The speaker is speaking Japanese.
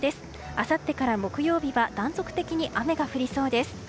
あさってから木曜日は断続的に雨が降りそうです。